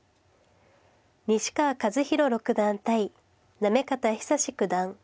西川和宏六段対行方尚史九段。